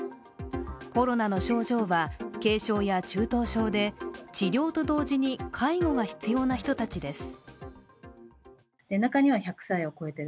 コロナの症状は軽症や中等症で治療と同時に介護が必要な人たちです。